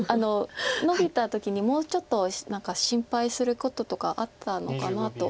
ノビた時にもうちょっと何か心配することとかあったのかなと。